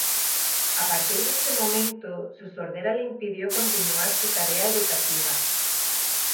A partir de este momento su sordera le impidió continuar su tarea educativa.